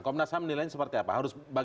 habis sedang berbicara juga bikin